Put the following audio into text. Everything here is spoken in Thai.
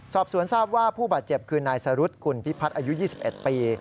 สอบสวนทราบว่าผู้บาดเจ็บคือนายสรุธคุณพิพัฒน์อายุ๒๑ปี